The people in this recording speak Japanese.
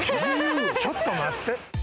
ちょっと待って！